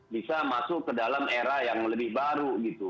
bisa masuk ke dalam era yang lebih baru gitu